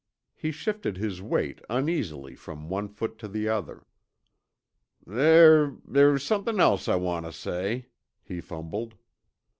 He shifted his weight uneasily from one foot to the other. "There there's somethin' I wanted tuh say," he fumbled.